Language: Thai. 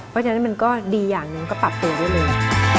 เพราะฉะนั้นมันก็ดีอย่างหนึ่งก็ปรับตัวได้เลย